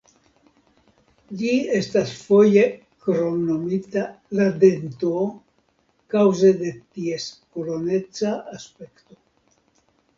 Ĝi estas foje kromnomita "la dento" kaŭze de ties koloneca aspekto.